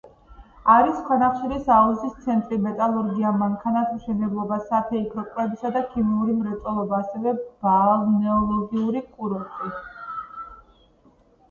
არის ქვანახშირის აუზის ცენტრი, მეტალურგია, მანქანათმშენებლობა, საფეიქრო, კვებისა და ქიმიური მრეწველობა, ასევე ბალნეოლოგიური კურორტი.